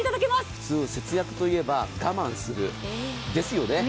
普通、節約といえば我慢する、ですよね。